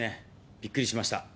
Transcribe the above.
びっくりしました。